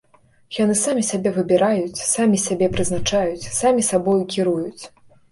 Яны самі сябе выбіраюць, самі сябе прызначаюць, самі сабою кіруюць.